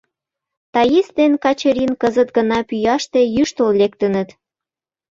Таис ден Качырин кызыт гына пӱяште йӱштыл лектыныт.